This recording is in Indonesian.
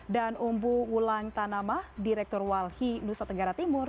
dan umbu wulang tanamah direktur walhi nusa tenggara timur